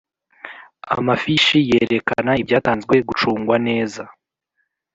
Amafishi yerekana ibyatanzwe gucungwa neza